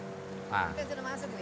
iya saya sudah masuk